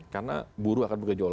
karena buruh akan berkejualan